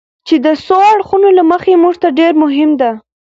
چې د څو اړخونو له مخې موږ ته ډېره مهمه ده.